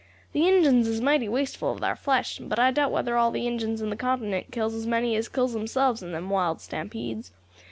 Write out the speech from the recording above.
The Injins is mighty wasteful of thar flesh, but I doubt whether all the Injins in the continent kills as many as kills themselves in them wild stampedes.